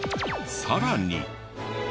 さらに。